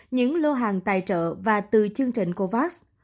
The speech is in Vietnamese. những lô hàng tài trợ và từ chương trình covax